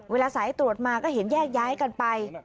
เวลาสายตรวจมาก็เห็นแยกย้ายกันไป